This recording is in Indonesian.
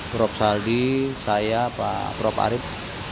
prof saldi saya pak prof arief